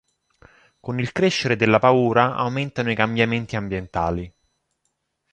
Con il crescere della paura aumentano i cambiamenti ambientali.